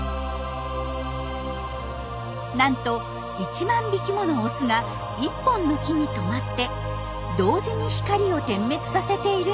なんと１万匹ものオスが１本の木にとまって同時に光を点滅させているんです。